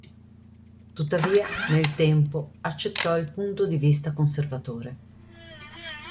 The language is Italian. Tuttavia nel tempo accettò il punto di vista conservatore.